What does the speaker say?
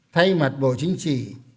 thay mặt bộ chính trị